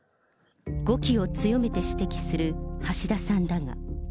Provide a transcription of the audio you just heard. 語気を強めて指摘する橋田さんだが。